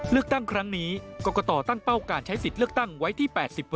เลือกตั้งครั้งนี้กรกตตั้งเป้าการใช้สิทธิ์เลือกตั้งไว้ที่๘๐